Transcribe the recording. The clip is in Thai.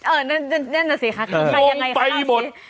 อ่ะนั่นนั่นนั่นสิค่ะใช่ยังไงค่ะต้องไปหมด